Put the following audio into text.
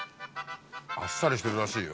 あっさりしてるらしいよ。